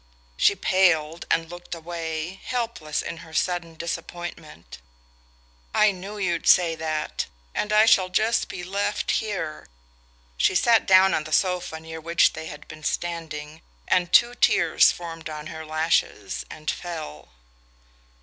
She paled and looked away, helpless in her sudden disappointment. "I knew you'd say that.... And I shall just be left here...." She sat down on the sofa near which they had been standing, and two tears formed on her lashes and fell.